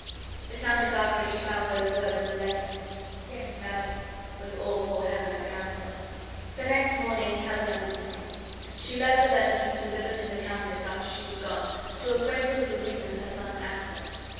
The countess asked her if she found those words in the letter. "Yes, madam," was all poor Helena could answer. The next morning Helena was missing. She left a letter to be delivered to the countess after she was gone, to acquaint her with the reason of her sudden absence.